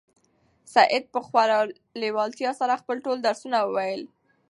سعید په خورا لېوالتیا سره خپل ټول درسونه وویل.